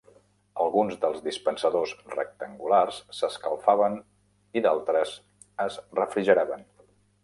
Alguns dels dispensadors rectangulars s'escalfaven i d'altres es refrigeraven.